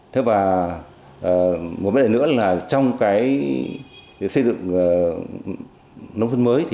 thế và một vấn đề nữa là trong cái xây dựng nông thôn mới